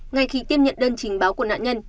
ngay khi tiếp nhận đơn trình báo của nạn nhân